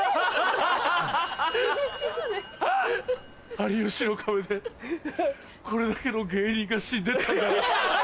『有吉の壁』でこれだけの芸人が死んでったんだな。